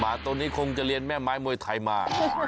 ตัวนี้คงจะเรียนแม่ไม้มวยไทยมา